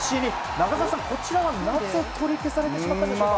中澤さん、こちらはなぜ取り消されてしまったんでしょうか。